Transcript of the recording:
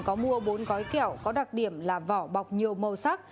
có mua bốn gói kẹo có đặc điểm là vỏ bọc nhiều màu sắc